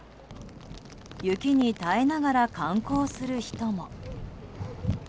雪に耐えながら観光する人も。